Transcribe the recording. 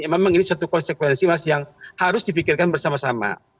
memang ini suatu konsekuensi mas yang harus dipikirkan bersama sama